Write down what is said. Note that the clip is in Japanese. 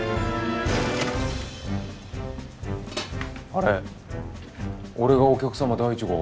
あれ俺がお客様第１号？